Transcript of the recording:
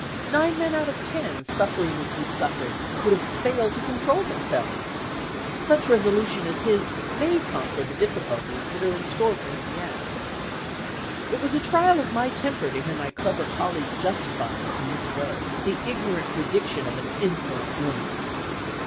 Nine men out of ten, suffering as he suffered, would have failed to control themselves. Such resolution as his may conquer the difficulties that are in store for him yet." It was a trial of my temper to hear my clever colleague justifying, in this way, the ignorant prediction of an insolent woman.